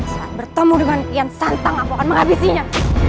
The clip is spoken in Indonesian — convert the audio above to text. saat bertemu dengan kian santan aku akan menghabisinya